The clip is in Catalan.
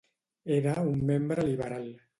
Era un membre liberal.